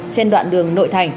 trên đoạn đường nội thành